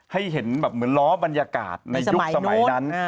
ให้เห็นแบบเหมือนล้อบรรยากาศในยุคสมัยนั้น